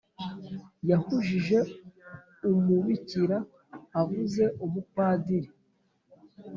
yahujije umubikira, avuza umupadiri